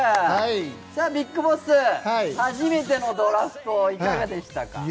ＢＩＧＢＯＳＳ、初めてのドラフト、いかがでしたか？